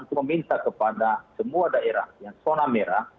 untuk meminta kepada semua daerah yang zona merah